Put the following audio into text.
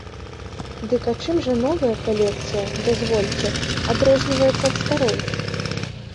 Дык а чым жа новая калекцыя, дазвольце, адрозніваецца ад старой?